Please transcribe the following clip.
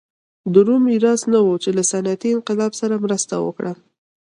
د روم میراث نه و چې له صنعتي انقلاب سره مرسته وکړه.